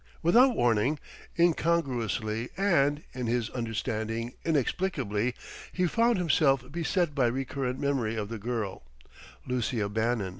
Without warning, incongruously and, in his understanding, inexplicably, he found himself beset by recurrent memory of the girl, Lucia Bannon.